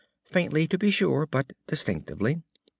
Faintly, to be sure, but distinctively.